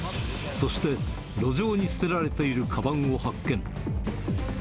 そして、路上に捨てられているかばんを発見。